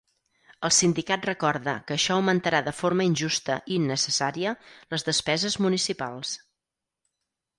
El sindicat recorda que això augmentarà ‘de forma injusta i innecessària’ les despeses municipals.